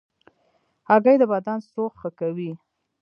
هګۍ د بدن سوخت ښه کوي.